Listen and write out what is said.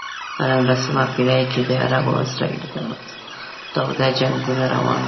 په نولسمه پېړۍ کې د عربو او اسرائیلو ترمنځ تاوده جنګونه روان و.